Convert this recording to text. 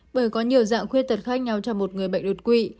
bởi có nhiều dạng khuyết tật khác nhau cho một người bệnh đột quỵ